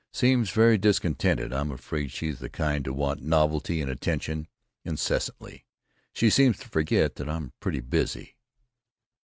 Seems very discontented. I'm afraid she's the kind to want novelty and attention incessantly, she seems to forget that I'm pretty busy.